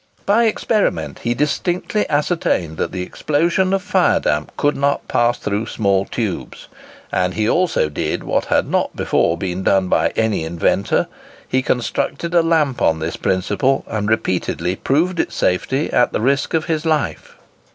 By experiment he distinctly ascertained that the explosion of fire damp could not pass through small tubes; and he also did what had not before been done by any inventor—he constructed a lamp on this principle, and repeatedly proved its safety at the risk of his life.